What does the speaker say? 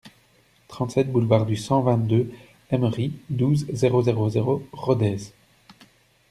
trente-sept boulevard du cent vingt-deux Eme Ri, douze, zéro zéro zéro, Rodez